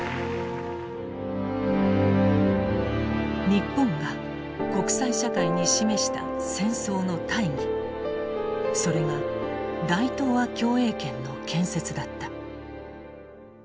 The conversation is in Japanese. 日本が国際社会に示した戦争の大義それが大東亜共栄圏の建設だった。